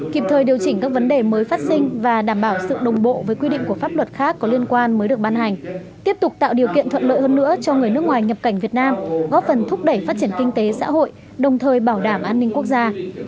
kịp thời điều chỉnh các vấn đề mới phát sinh và đảm bảo sự đồng bộ với quy định của pháp luật khác có liên quan mới được ban hành tiếp tục tạo điều kiện thuận lợi hơn nữa cho người nước ngoài nhập cảnh việt nam góp phần thúc đẩy phát triển kinh tế xã hội đồng thời bảo đảm an ninh quốc gia